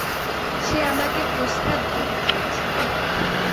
সে আমাকে প্রস্তাব দিতে চেয়েছিল!